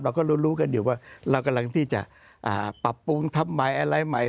เราก็รู้กันอยู่ว่าเรากำลังที่จะปรับปรุงทำใหม่อะไรใหม่